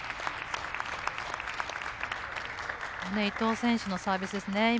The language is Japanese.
伊藤選手のサービスですね。